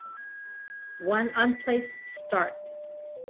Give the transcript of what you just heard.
One unplaced start.